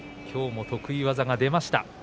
きょうも得意技が出ました。